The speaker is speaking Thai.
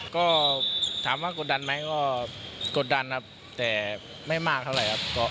ก็ถามว่ากดดันไหมก็กดดันครับแต่ไม่มากเท่าไหร่ครับ